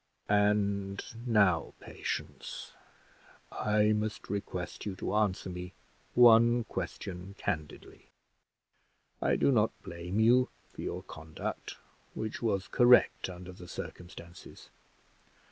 "And now, Patience, I must request you to answer me one question candidly. I do not blame you for your conduct, which was correct under the circumstances.